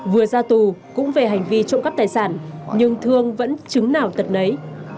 vừa ra tù cũng về hành vi trộm cắp tài sản nhưng thương vẫn chứng nào tật nấy